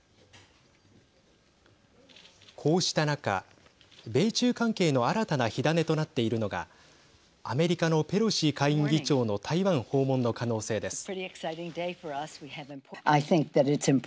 こうした中米中関係の新たな火種となっているのがアメリカのペロシ下院議長の台湾訪問の可能性です。